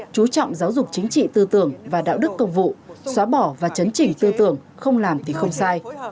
chú trọng giáo dục chính trị tư tưởng và đạo đức công vụ xóa bỏ và chấn chỉnh tư tưởng không làm thì không sai